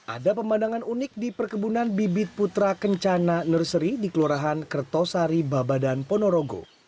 ada pemandangan unik di perkebunan bibit putra kencana nurseri di kelurahan kertosari babadan ponorogo